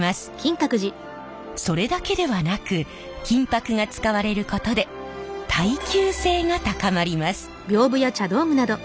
それだけではなく金箔が使われることで耐久性が高まります。